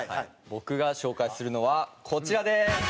僕が紹介するのはこちらです！